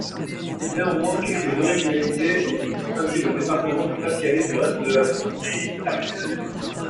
Néanmoins, quelques originalités ont distingué le département du Pas-de-Calais du reste de la France.